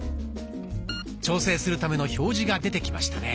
調整するための表示が出てきましたね。